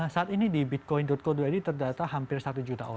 saat ini di bitcoin co id terdata hampir satu juta